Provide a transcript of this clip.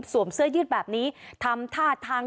เสื้อยืดแบบนี้ทำท่าทาง